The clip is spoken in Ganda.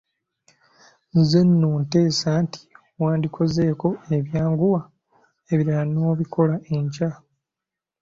Nze nno nteesa nti wandikozeeko ebyanguwa ebirala n'obikola enkya.